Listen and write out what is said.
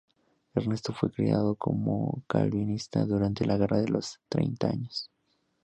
Ernesto fue criado como calvinista durante la Guerra de los Treinta Años.